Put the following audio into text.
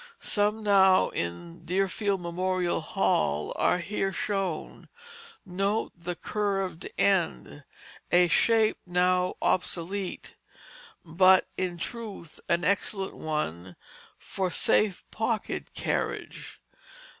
Some now in Deerfield Memorial Hall are here shown. Note the curved end, a shape now obsolete, but in truth an excellent one for safe pocket carriage.